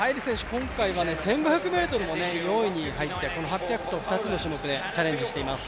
今回は１５００ｍも４位に入ってこの８００と２つの種目でチャレンジしています。